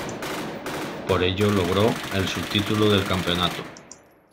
Por ello, logró el subtítulo del campeonato.